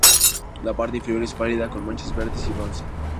La parte inferior es pálida, con manchas verdes y bronce.